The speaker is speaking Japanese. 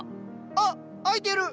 あっ開いてる！